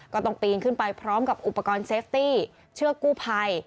ก็ต้องปีนขึ้นไปพร้อมกับอุปกรณ์เซฟตี้เชือกกู้ภัย